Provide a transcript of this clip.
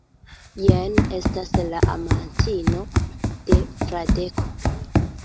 Jen estas la amantino de Fradeko.